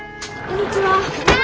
こんにちは。来た。